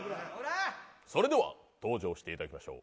それでは登場していただきましょう